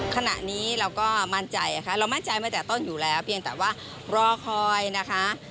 ขณะนี้เราก็มั่นใจค่ะเรามั่นใจมาแต่ต้นอยู่แล้วเพียงแต่ว่ารอคอยนะคะ